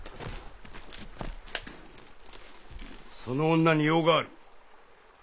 その女に用がある。